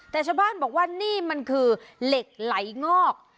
แต่ชาวบ้านบอกว่านี่มันคือเหล็กไหลงอก